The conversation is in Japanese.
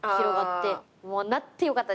なってよかったです。